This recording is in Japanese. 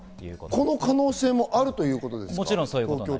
この可能性もあるということですか？